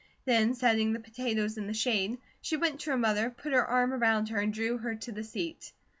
Then setting the potatoes in the shade, she went to her mother, put her arm around her, and drew her to the seat.